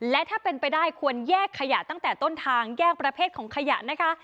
และถ้าเป็นไปได้ควรแยกขยะตั้งแต่ต้นทางแยกประเภทของขยะนะคะ